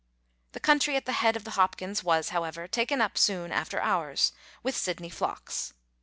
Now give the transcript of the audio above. The country at the head of the Hopkins was, however, taken up soon after ours, with Sydney flocks.